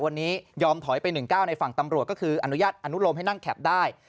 วันนี้ยอมถอยไป๑๙ในฝั่งตำรวจก็คืออนุญาตอนุโลมให้นั่งแคปได้